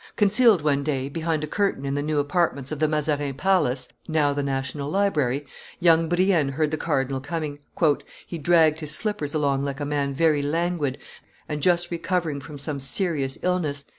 Concealed, one day, behind a curtain in the new apartments of the Mazarin Palace (now the National Library), young Brienne heard the cardinal coming. "He dragged his slippers along like a man very languid and just recovering from some serious illness.